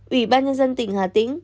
ủy ban nhân dân tỉnh hà tĩnh